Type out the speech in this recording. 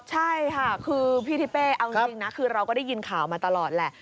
ใช่ค่ะคือพี่ทิเป้เอาจริงนะคือเราก็ได้ยินข่าวมาตลอดแหละ